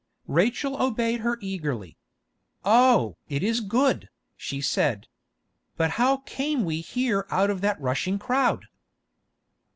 Rachel obeyed her eagerly. "Oh! it is good," she said. "But how came we here out of that rushing crowd?"